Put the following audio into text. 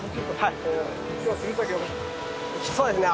そうですね。